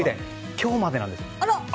今日までなんですよ。